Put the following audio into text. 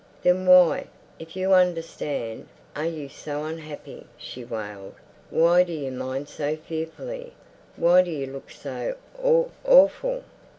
"Then why, if you understand, are you so un unhappy?" she wailed. "Why do you mind so fearfully? Why do you look so aw awful?"